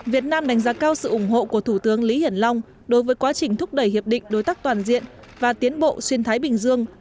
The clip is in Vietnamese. việt nam đánh giá cao sự ủng hộ của thủ tướng lý hiển long đối với quá trình thúc đẩy hiệp định đối tác toàn diện và tiến bộ xuyên thái bình dương